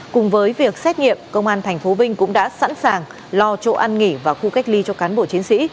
cùng với việc xét nghiệm công an tp vinh cũng đã sẵn sàng lo chỗ ăn nghỉ và khu cách ly cho cán bộ chiến sĩ